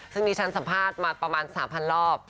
ซึ่งดิฉันสัมภาษณ์มาประมาณ๓๐๐รอบ